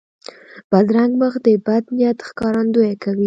بدرنګه مخ د بد نیت ښکارندویي کوي